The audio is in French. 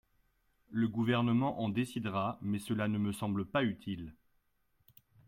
Le Gouvernement en décidera, mais cela ne me semble pas utile.